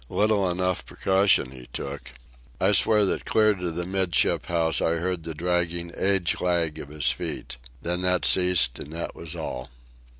Little enough precaution he took. I swear that clear to the 'midship house I heard the dragging age lag of his feet. Then that ceased, and that was all.